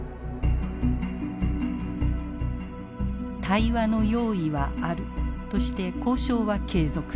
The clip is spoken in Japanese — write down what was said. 対話の用意はあるとして交渉は継続。